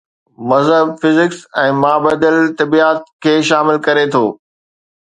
مذهب فزڪس ۽ مابعدالطبعيات کي شامل ڪري ٿو.